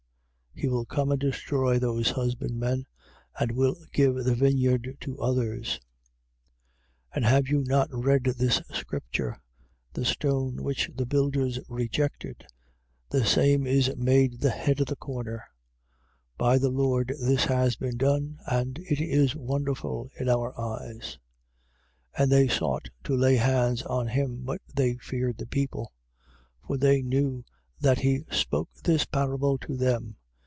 He will come and destroy those husbandmen and will give the vineyard to others. 12:10. And have you not read this scripture, The stone which the builders rejected, the same is made the head of the corner: 12:11. By the Lord has this been done, and it is wonderful in our eyes. 12:12. And they sought to lay hands on him: but they feared the people. For they knew that he spoke this parable to them.